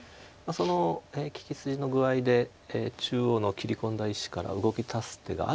その利き筋の具合で中央の切り込んだ石から動きだす手があるかどうか。